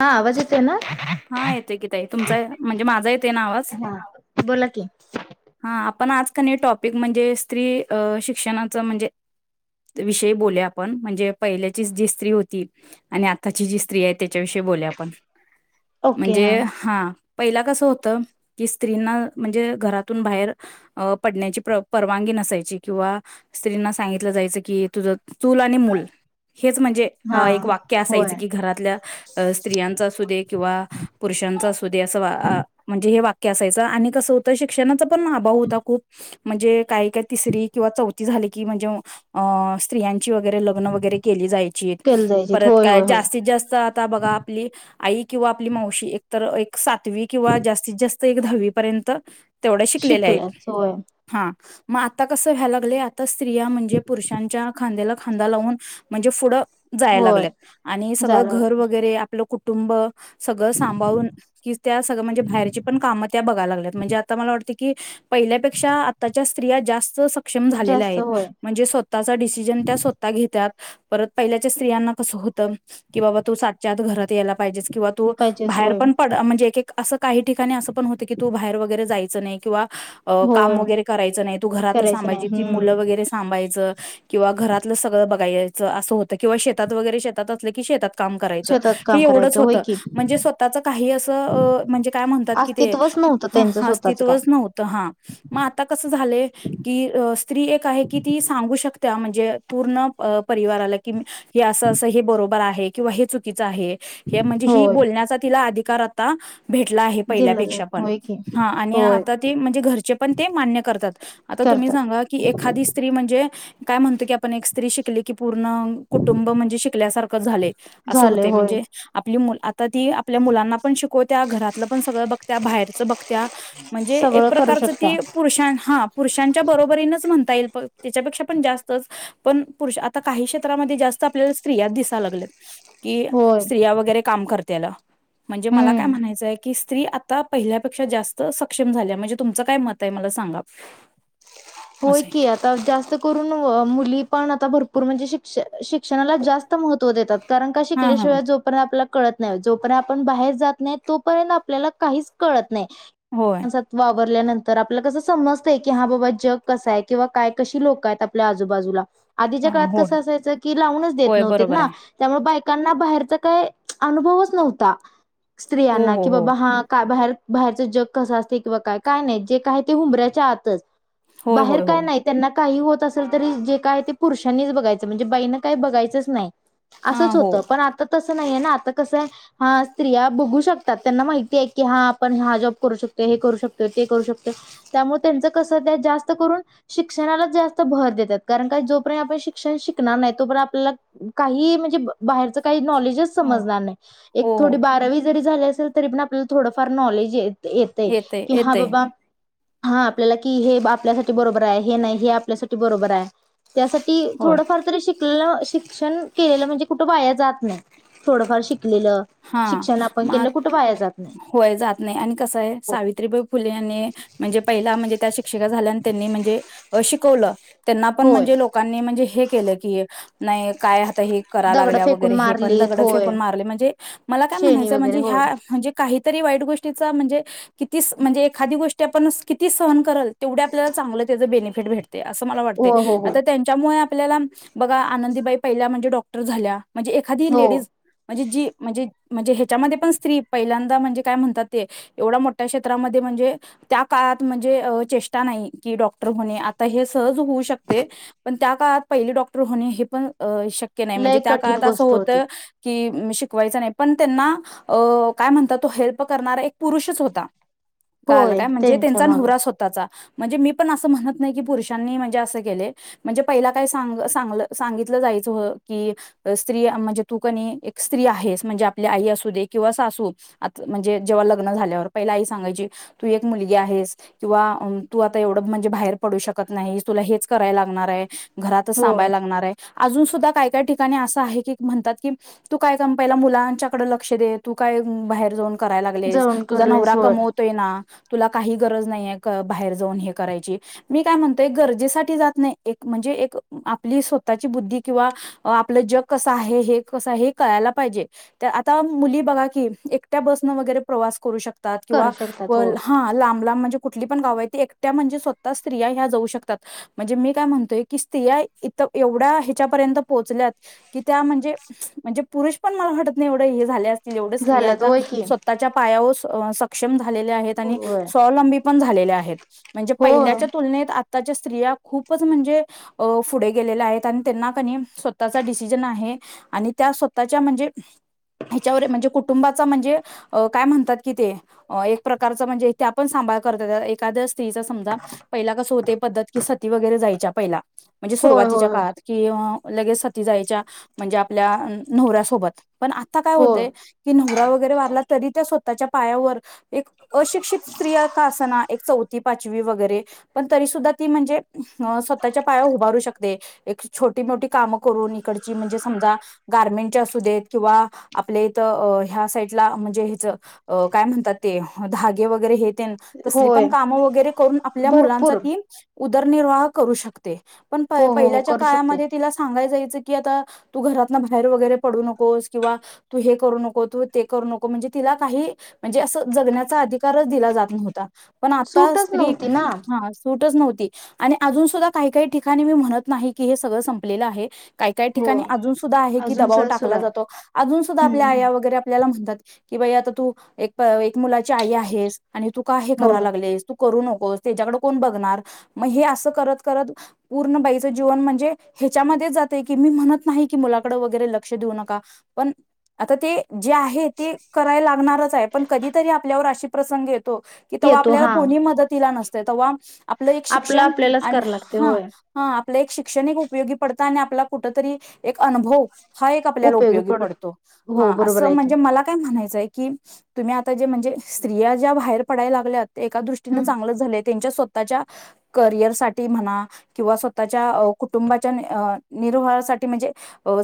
हा आवाज येतोय ना? हा येते कि ताई, तुमचा म्हणजे माझा येते ना आवाज? हा बोला की. हा आपण आज कनी टॉपिक म्हणजे, स्त्री शिक्षणाचं म्हणजे विषयी बोलूया आपण, म्हणजे पहिल्याचीच जी स्त्री होती. आणि आताची जी स्त्री आहे त्याच्या विषयी बोलूया आपण ओके हा म्हणजे हा. पहिला कसं होतं, की स्त्रींना म्हणजे घरात तून बाहेर पडण्याची परवानगी नसायची, किंवा स्त्रींना सांगितलं जायचं कि तुझ चूल आणि मूल. हेच म्हणजे हा एक वाक्य होय असायचं की, घरातल्या स्त्रियांचा अस दे किंवा पुुष षुरषाच असूदे अस अ म्हणजे हे वाक्य. असायच, आणि कसं होतं शिक्षणाचा पण अभाव होता खूप. म्हणजे काही काय तिसरी किंवा चौथी झाल की म्हणजे स्त्रीया ची लग्न वगैरे केली जायचीत, केलं जायचेत परत होय काय होय तर होय जास्तीत जास्त आता बघा आपली आई किंवा आपली मावशी, एकतर एक सातवी किंवा जास्तीत जास्त एक दहावी पर्यंत. तेवढ्या शिकलेले आहेत शिकल्याच होय हा. मग आता कसं व्हायला लागलय, आता स्त्रिया म्हणजे पुरुषांच्या खांद्याला खांदा लावून म्हणजे पुढं जाय होय लागल्यात, आणि सगळं झालं घर वगैरे आपलं कुटुंब. सगळं सांभाळून कि त्या, सगळं म्हणजे बाहेरची पण कामं त्या बघायला लागल्यात म्हणजे मला वाटते की पहिल्यापेक्षा आताच्या स्त्रिया जास्त सक्षम झालेल्या जास्त आहेत, होय म्हणजे स्वतःचा डिसिजन त्या स्वतः घेतात. परत पहिल्याच्या स्त्रियांना कसं होत, की बाबा तू साातच्या आत घरात यायला पाहिजे किंवा तू, पाहिजेच बाहेर होय पण पड, म्हणजे एक-एक असं काही ठिकाणी असं पण होत की तू बाहेर वगैरे जायचं नाही किंवा. अ होय काम वगैरे करायचं नाही, तू घरातच करायचं नाही थांबायचं ती मुलं हम्म वगैरे सांभायचं. किंवा घरातलं सगळं बघायचं, असं होतं किंवा शेतात वगैरे शेतात असलं की शेतात. काम करायच, शेतात हे काम एवढच करायचं होत, होय की म्हणजे स्वतःच काही असं म्हणजे काय म्हणतात की ते. अस्तित्वच नव्हतं त्यांचं हा स्वतःच काय अस्तित्वच नव्हतं हा, मग आता कसं झालं की स्त्री एक आहे की ती सांगू शकत. त्या म्हणजे, त्या पूर्ण परिवाराला, की म्हणजे हे अस-असं हे बरोबर आहे, किंवा हे चुकीच आहे, हे म्हणजे ही होय बोलण्याचा तिला अधिकार आता भेटला आहे, दिलं जात पहिल्यापेक्षा पण होय की हा आणि होय आता ते म्हणजे घरचे पण ते मान्य करतात, आता तुम्ही करतात सांगा की एखादी स्त्री म्हणजे काय म्हणतो की आपण, एक स्त्री शिकली की पूर्ण कुटुंब म्हणजे शिकल्यासारखं झाले. असं झाले होते होय म्हणजे आप आपली मु, आता ती आपल्या मुलांना पण शिकवत्या, घरातलं पण सगळं बघत्या, बाहेरच त्या म्हणजे एक सगळं करू प्रकारच शकता ती, पुरुषां हा पुरुषांच्या बरोबरीनच म्हणता येईल त्याच्यापेक्षा पण जास्तच, पण पुरुष, आता काही क्षेत्रामध्ये जास्त आपल्याला स्त्रियात दिसाय लागल्यात. कि होय स्त्रिया वगैरे काम करत्याल, म्हणजे मला काय हम्म म्हणायचंय की स्त्री आता पहिल्या- जास्त, सक्षम झाल्या, म्हणजे तुमच काय मत मला सांगा. होय असं आहे की आता जास्त करून, मुली पण आता भरपूर म्हणजे शिक्ष शिक्षणाला जास्त महत्व देतात, कारण का हां हां शिकल्याशिवाय जोपर्यत आपला कळत नाही जोपर्यंत आपण बाहेर जात नाही तोपर्यंत आपल्याला काहीच कळत नाही. नाही होय माणसात वावरल्यानंतर आपलाल कसं समजतय, की हा बाबा जग कस आहे किंवा काय कशी लोकं आहेत आपल्या आजूबाजूला आधीच्या हां काळात होय कसं असायचं, की लावूनच देत होय नव्हत बरोबर ना आहे त्यामुळे बाय कांना बाहेरचा काही अनुभवच नव्हता, हो स्त्रियांना हो कि हो बाबा हा काय बाहेर बाहेरचं जग कसं असते किंवा काय काय नाही जे काय ते उंबऱ्याच्या आतच. होय बाहेर होय काय होय नाही त्यांना काही होत असेल तरी जे काय ते पुरुषांनीच बघायचं. म्हणजे बाईना काही बघायंच नाही. असंच हां हो होत, पण आता तस नाहीे ना आता कसंय हा स्त्रिया बघू शकतात, त्यांना माहितीय की हा आपण हा जॉब करू शकतो. हे करू शकतोय, ते करू शकतोय, त्यामुळे त्यांच कस त्या जास्त करून शिक्षणालाच जास्त भर देतात, कारण का जोपर्यंत आपण शिक्षण शिकणार नाही, तोपर्यंत आपल्याला काही म्हणजे बाहेरचं काही नॉलेजच हो समजणार नाही. एक हो हो थोडी बारावी जरी झाली असेल, तरी पण आपल्याला थोडफार नॉलेज येतेय येते की हा येते बाबा हा आपल्याला की हे आपल्यासाठी बरोबर आहे, हे नाही हे आपल्यासाठी बरोबर आहे. त्यासाठी होय थोडंफार तरी शिक लेल शिक्षण केलेलं म्हणजे कुठ पाया जात नाही. थोडफार शिक हा, म आ वाया जात नाही. होय जात नाही आणि कसये सावित्रीबाई फुल्यांनी म्हणजे पहिला म्हणजे त्या शिक क्षिका झाल्या, आणि त्यांनी म्हणजे शिकवलं त्यांना पण होय, म्हणजे लोकांनी म्हणजे हे केलं की नाही काय आता हे करा दगडं लागल्या फेकून वगैरे हे पण मारलीत दगड होय. फेकून मारले, म्हणजे, मला काय शेणी म्हणायचं वगैरे म्हणजे होय. ह म्हणजे काही ईतरही वाईट गोष्टीचा म्हणजे, किती म्हणजे एखादी गोष्टी आपण किती सहन करल. तेवढ आपल्याला चांगलं त्याचं बेनिफिट भेटते, असं मला हो वाटते. हो हो आता त्यांच्यामुळे आपल्याला बघा आनंदीबाई पहिल्या म्हणजे डॉक्टर झाल्या. म्हणजे एखादी हो लेडीज म्हणजे जी म्हणजे म्हणजे ह्याच्यामध्ये पण स्त्री पहिल्यांदा म्हणजे काय म्हणतात, ते एवढा मोठ्या क्षेत्रामध्ये म्हणजे त्या काळात म्हणजे चेष्टा नाही की डॉक्टर होणे आता हे सहज होऊ शकते, पण त्या काळात पहिले डॉक्टर होणे हे पण शक्य नाही, म्हणजे लय त्या कठीण काळात अस गोष्ट होत होती. की शिकवायच नाही पण त्यांना काय म्हणतात. तो हेल्प करणारा एक पुरुषच होता. काल होय काय म्हणजे त्यांच्या त्यांचा माग नवरा स्वतचा. म्हणजे मी पण असं म्हणत नाही की पुरुषांनी म्हणजे असं केले म्हणजे पहिला काय साग सागल सांगितलं जाय च की स्त्री म्हणजे तू कनी एक स्त्री आहेस म्हणजे आपली आई असू दे, किंवा सासू. आ म्हणजे जेव्हा लग्न झाल्यावर पहिला आई सांगायची. तू एक मुलगी आहेस किंवा तू आता एवढं म्हणजे बाहेर पडू शकत नाही. तुला हेच कराय लागणारे. घरातच होय थांबायला लागणारे. अजून सुद्धा काय काय ठिकाणी असं आहे, की म्हणतात की तू काय काम पहिला मुलांच्याकडे लक्ष दे तू काय बाहेर जाऊन. करा लागले जळून तुझा करलेस नवरा होय. कमवतोय ना. तुला काही गरज नाहीय. बाहेर जाऊन हे करायची मी काय म्हणते, गरजेसाठी जात नाही एक म्हणजे एक आपली स्वतः बुद्धी किंवा आपल जग कस आहे हे कस कळायला पाहिजे आता मुली बघा की, एकट्या बसन वगैरे प्रवास करू शक करतात किंवा करू शकतात व हो हा लांब लांब म्हणजे कूठली पण गाव आहे त एकट्या म्हणजे स्वतः स्त्रिया ह्या जाऊ शकतात. म्हणजे मी काय म्हणतोय की स्त्रिया इथं एवढ्या ह्याच्यापर्यंत पोहोचल्यात की त्या म्हणजे म्हणजे पुरुष पण मला वाटत नाही एवढे हे झाले असतील, एवढ्या स्त्रिया झाल्यात आता होय की स्वतःच्या पायावर सक्षम झालेल्या आहेत आणि होय स्वावलंबी पण झालेल्या आहेत. म्हणजे होय पहिल्याच्या तुलनेत आताच्या स्त्रिया खूपच म्हणजे पुढे गेलेल्या आहेत आणि त्यांना कनी स्वतःचा डिसिजन आहे. आणि त्या स्वतःच्या म्हणजे ह्याच्यावर म्हणजे कुटुंबाचा म्हणजे काय म्हणतात की ते एक प्रकारं म्हणजे तेे आपण स एखाद्या स्त्रीचा समजा पहिला कसं होते पद्धत कि सती वगैरे जायच्या. पहिला म्हणजे होय होय सुरुवातीच्या होय काळात, कि लगेच सती जायच्या म्हणजे आपल्या नवऱ्यासोबत. पण आता काय होय होतय की नवरा वगैरे वारला तरी त्या स्वतःच्या पायावर एक अशिक्षित स्त्रिया का असना एक चौथी पाचवी वगैरे पण तरी सुद्धा ती म्हणजे स्वतःच्या पाया उभारू शकते. एक छोटी मोठी कामं करून इकडची म्हणजे समजा गारमेंटच्या असू देत किंवा आपल्या इथं ह्या साईटला म्हणजे हेच काय म्हणतात ते धागे वगैरे हे तसली होय पण काम वगैरे करून आपल्या मुलांचा भरपूर ती उदरनिर्वाह करू शकते. पण हो हो हो पहिल्याच्या करू शकते काळामध्ये तिला सांगाय जायचं की आता तू घरातन बाहेर वगैरे पडु नकोस किंवा तु हे करू नको, तु ते करू नको म्हणजे तिला काही म्हणजे जगण्याचा अधिकारच दिला जात नव्हता पण आता सूटच स्त्री नव्हती ना अजून सुधा काही काही ठिकाणी मी म्हणत नाही की हे सगळ संपलं आहे काही-काही हो ठिकाणी अजून सुद्धा आहे की अजून दबाव ससुर टाकला आहे जातो अजून सुद्धा आपल्या हम्म आया वगैरे आपल्या ला म्हणातात की बाई आ तू मुलाची आई आहेस आणि तू का हे हो करा लागलेस. करू नकोस त्याच्याकडे कोण बघणार मग हे असं करत करत पूर्ण बाईच जीवन म्हणजे ह्याच्यामध्ये जातय की मी म्हणत नाही की मुलाकडे वगैरे लक्ष देऊ नका पण आता ते जे आहे ते कराय लागणारच आहे पण कधीतरी आपल्यावर अशी प्रसंगी येतो कि तव्हा येतो आपल्याला हा कोणी मदतीला नसते तव्हा आपलं एक आपला शिक्षण आपल्यालाच करा लागते हा होय हा आपलं एक शिक्षण एक उपयोगी पडत आपला कुठ तरी एक अनुभव हा एक आपल्याला उपयोगी पडतो हो हा बरोबर असं आहे की म्हणजे मला काय म्हणायचं की तुम्ही आता जे म्हणजे स्त्रिया ज्या बाहेर पडायला लागल्यात एका दृष्टीने हम्म चांगल च झालय. त्यांच्या स्वतःच्या करियर साठी म्हणा किंवा स्वतःच्या कुटुंबाच्या निरोहासाठी म्हणजे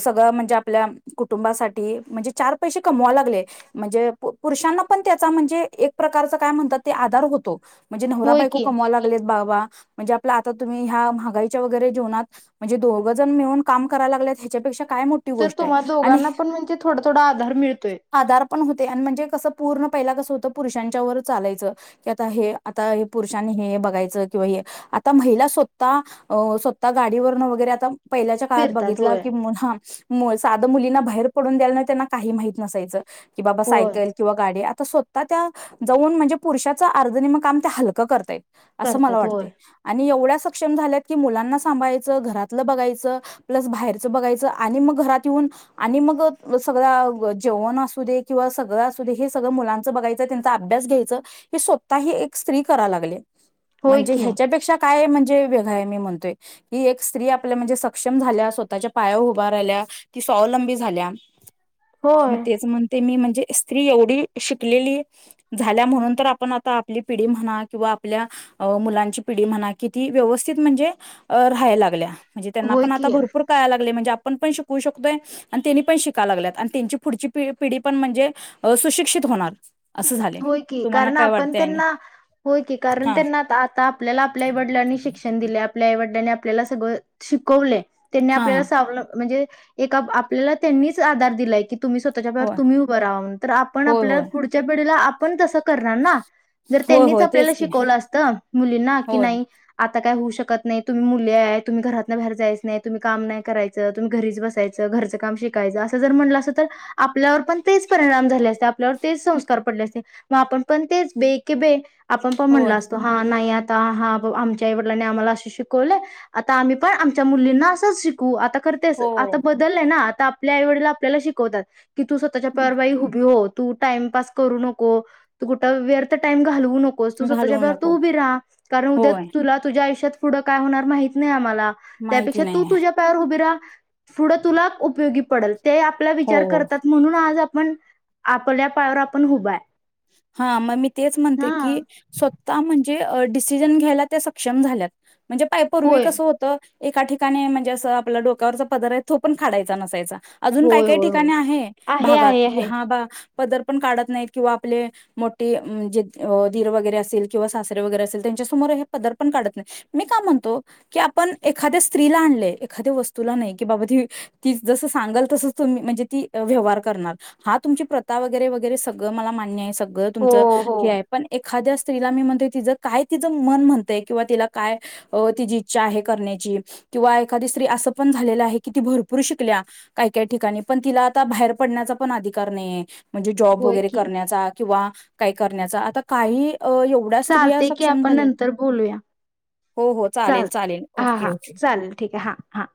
सगळं म्हणजे आपल्या कुटुंबासाठी म्हणजे चार पैसे कमवा लागले म्हणजे पुरुषांना पण त्याचा म्हणजे एक प्रकारचा काय म्हणतात ते आधार होतो. म्हणजे होय नव्हरा-बायको की कमावा लागलेत बाबा. म्हणजे आपल्या आता तुम्ही ह्या महागाईच्या वगैरे जीवनात म्हणजे दोघजण मिळून काम करा लागत्यात हे तर तुम्हाला दोघांना पण म्हणजे थोडा-थोडा आधार मिळतोय. आधार पण होतय आणि म्हणजे कसं पूर्ण पहिला कस होत पुरुषांच्या व चालायचं की आता हे आता हे पुरुषांनी हे बघायचं किंवा हे आता महिला स्वतः अ स्वतः गाडी वरन वगैरे आता पहिल्याच्या काळात फिरतात बघितला होय की हां साध मुलींना बा बाहेर पडून द्यायला नाही त्यांना काही माहित नसायचं की बाबा होय सायकल किंवा गाडी तर स्वतः त्या जाऊन म्हणजे पुरुषाचं अर्ध निम्म काम त्या हलकं करतायत. असं मला करतात होय वाटतय आणि एवढ्याच शिक्षण झाल्यात की मुलांना सांभाळायचं, घरातलं बघायचं प्लस बाहेरचं बघायच आणि मग घरात येऊन आणि मग सगळं जेवण असू दे किंवा सगळ असुदे हे सगळं मुलांच बघायचं त्यांचा अभ्यास घ्यायचं हे स्वतःही एक स्त्री कराय लागले. होय म्हणजे की ह्याच्यापेक्षा काय म्हणजे वेगळ आहे हे मी म्हणतोय की स्त्री एक आपल्या सक्षम झाल्या स्वतःच्या पायावर उभ राहील्या ती स्वावलंबी झाल्या मग होय तेच म्हणते मी जी स्त्री एवढी शिकलेली झाल्या म्हणून तर आपण आता आपली पिढी म्हणा किंवा आपल्या अ मुलांची पिढी म्हणा किती व्यवस्थित म्हणजे राहाय लागल्या. म्हणजे त्यांना होय पण आता की भरपुर कळालागलय. म्हणजे आपण पण शिकू शकतो आणि त्यांनी पण शिका लागल्यात आणि त्यांची पुढची पिढी पिढी पण म्हणजे सुशिक्षित होणार. असं झाले होय की, तुम्हाला कारण काय आपण वाटतंय आणि त्यांना होय की, कारण हा त्यांना आता आपल्याला आपल्या आई वडिलांनी शिक शिक्षण दिल, आपल्या आई-वडिलांनी आपल्याला सगळ शिकवलय, त्यांनी हा आपल्याला सावरलं म्हणजे एका आपल्याला त्यांनीच आधार दिलाय की तुम्ही स्वतःच्या पायावर होय तुम्ही उभं राव्हा म्हनुण, आपण होय आपल्याला होय पुढच्या पिढीला आपण तसं करणार ना? जर होय त्यांनीच होय आपल्याला तेच की शिकवलं असत मुलींना की होय नाही आ आता काय होऊ शकत नाही तुम्ही मुले आहे तुम्ही घरातन बाहेर जाच नाही तुम्ही का नाही कयचं तुम्ही घरीच बसायचं घरचं काम शिकाय अस म्हणलं अस तर आपल्यावर पण तेच परिणाम झाले असते तेच संस्का सकार पडले असते आपण पण तेच बे क बे आपण पण म्हणलो होय असतो हा नाही आ आ हो आमच्याई वडलांनी आम्हाला असे शिकवले आता आम्ही पण आमच्या मुलींना असंच शिकू आता तर तेअस हो आता बदलय ना आता आपल्या आई वडला आपल्याला शिकवतात की तू स्वतःच्या प्यार बाई ऊभी हो तू टाईमपास करू नको कुठं व्यर्थ टाईम घालवू नको. नकोस तु घालवू स्वतःच्या नको तू उभी राहा कारण उद्या होय तुला तुझ्या आयु्यात पुढं काय होणार माहत नाही आम्हाला त्यापेक्ष माहिती तू नाहीये तुझ्या पायावर उभी रहा पुढ तुला उपयोगी पडल ते आपला हो विचार हो करतात म्हणून आज आपण आपल्या पायावर आपण उभ आहे. हा मग मी तेच हा म्हणते की स्वतः म्हणजे ते डिसिजन घ्यायला ते सक्षम झाल्यात म्हणजे पाय पूर्वी होय कसं होतं एका ठिकाणी म्हणजे असं आपला डोक्यावरचा पदर आहे तो पण काढायचा नसायचा अजून काही होय काही होय होय ठिकाणी आहे आहे भागात आहे कि आहे हा बा पदर पण काढत नाही किंवा आपले मोठे जे दीर वगैरे असेल किंवा सासरे वगैरे असेल त्यांच्यासमोर हे पदर पण काढत नाही. मी का म्हणतो की आपण एखाद्या स्त्रीला आलंय एखाद्या वस्तूला नाही की बाबा ती तीच जसं सांगाल तसं तुम्ही म्हणजे ती व्यवहार करणार हा तुमची प्रथा वगैरे वगैरे सगळं मला माहि नाही हे सगळं हो तुमचं हो हे आहे पण एक एखाद्या स्त्रीला मी म्हणत तिचं काय तिचं मन म्हणतंय किंवा तिला काय तिची इच्छा आहे करण्याची की किंवा एखादी स्त्री असं पण झालेले आहे की भरपूर शिकल्या काय काय ठिकाणी पण तिला आता बाहेर बाहेर पडण्याचा पण अधिकार नाहीय म्हणजे जॉब होय वगैरे की करण्याचा किंवा काही करण्याचा आता काहीही अ एवढ्या स्त्रिया चालते की सक्षम आपण झालयात नंतर बोलूया हो हो चालेल चालत चालेल हा ओके हा ओके चालेल ठीक आहे हा हा